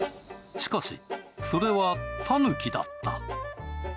しかし、それはたぬきだった。